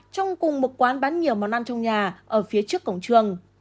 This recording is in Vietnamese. trong cùng một quán bán nhiều món ăn trong nhà ở phía trước cổng trường